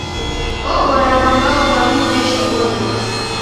Oghora w'ambao w'amu w'eshoghonoka.